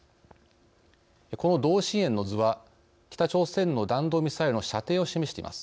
この同心円の図は北朝鮮の弾道ミサイルの射程を示しています。